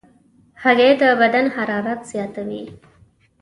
هګۍ د بدن حرارت زیاتوي.